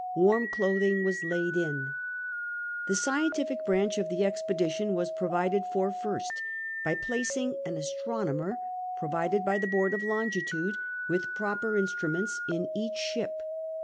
Warm clothing was laid in. The scientific branch of the expedition was provided for first, by placing an astronomer, provided by the Board of Longitude, with proper instruments in each shij).